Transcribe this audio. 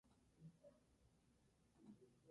Estudió Bachiller y Magisterio en Bilbao.